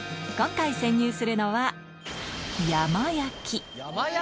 今回潜入するのは、山焼き。